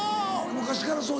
昔からそう？